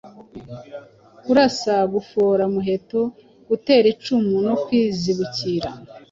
kurasa, gufora umuheto, gutera icumu no kwizibukira,